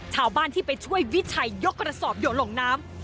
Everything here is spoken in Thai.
ชาวบ้านที่ไปช่วยวิชัยยกกระสอบหยดลงน้ำ